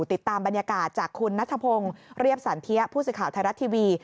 ติดตามบรรยากาศจากคุณนัทพงศ์เรียบสันเทียผู้สื่อข่าวไทยรัฐทีวี